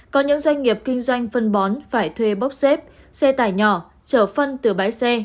có những doanh nghiệp kinh doanh phân bón phải thuê bốc xếp xe tải nhỏ trở phân từ bãi xe